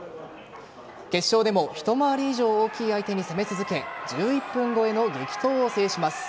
決勝でも一回り以上大きい相手に攻め続け１１分超えの激闘を制します。